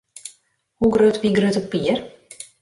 Hoe grut wie Grutte Pier?